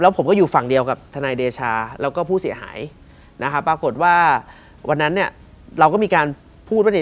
ผมก็อยู่ฝั่งเดียวกับทนายเดชาแล้วก็ผู้เสียหายนะครับปรากฏว่าวันนั้นเนี่ยเราก็มีการพูดว่าเนี่ย